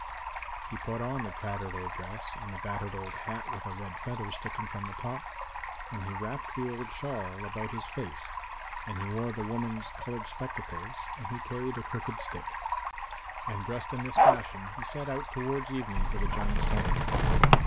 He put on the tattered old dress and the battered old hat with a red feather sticking from the top, and he wrapped the old shawl about his face, and he wore the woman's coloured spectacles and he carried a crooked stick. And dressed in this fashion he set out towards evening for the giants' home.